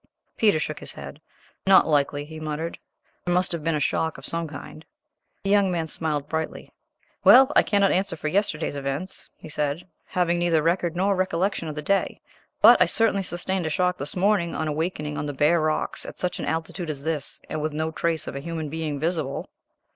Peter shook his head. "Not likely," he muttered; "there must have been a shock of some kind." The young man smiled brightly. "Well, I cannot answer for yesterday's events," he said, "having neither record nor recollection of the day; but I certainly sustained a shock this morning on awaking on the bare rocks at such an altitude as this and with no trace of a human being visible!"